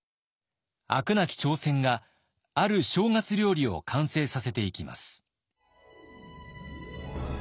飽くなき挑戦がある正月料理を完成させていきます。